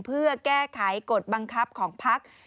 เพื่อแก้ไขกฎบังคับของพัก